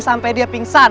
sampai dia pingsan